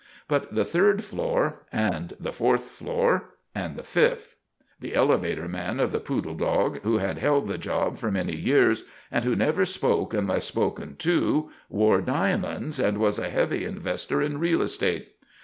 But the third floor and the fourth floor and the fifth! The elevator man of the Poodle Dog, who had held the job for many years and who never spoke unless spoken to, wore diamonds and was a heavy investor in real estate.